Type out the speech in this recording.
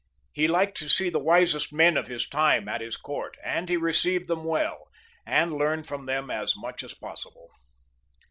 He lik^d to see the wisest men of his time at his court, and he received them well, and learned from them as much as possible.